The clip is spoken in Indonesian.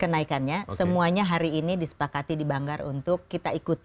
kenaikannya semuanya hari ini disepakati dibanggar untuk kita ikuti